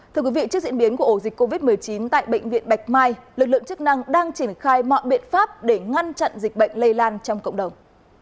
thưa quý vị trước diễn biến của ổ dịch covid một mươi chín tại bệnh viện bạch mai lực lượng chức năng đang triển khai mọi biện pháp để ngăn chặn dịch bệnh lây lan trong cộng đồng